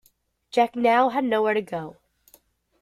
Jack now had nowhere to go.